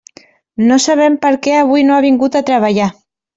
No sabem per què avui no ha vingut a treballar.